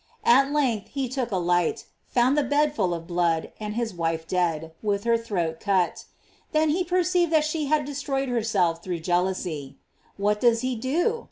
At length he took a light, found the bed full of blood, and his wife dead, with her throat cut. Then he perceived that she had destroyed herself through jealousy. What does he do?